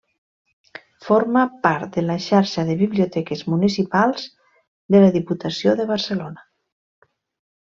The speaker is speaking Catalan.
Forma part de la Xarxa de Biblioteques Municipals de la Diputació de Barcelona.